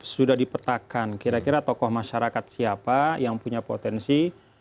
sudah dipetakan kira kira tokoh masyarakat siapa yang punya potensi